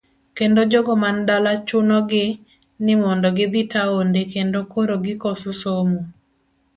Kendo jogo man dala chuno gi ni mondo gidhi taonde kendo koro gikoso somo.